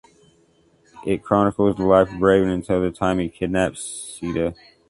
It chronicles the life of Ravan until the time he kidnaps Sita.